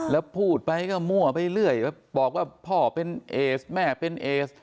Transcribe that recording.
แล้วพูดไปก็มั่วไปเรื่อยบอกว่าพ่อเป็นเอสแม่เป็นเอส